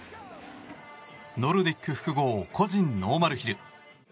ノルディック複合個人ノーマルヒル。